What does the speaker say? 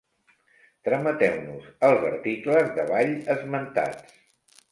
Trameteu-nos els articles davall esmentats.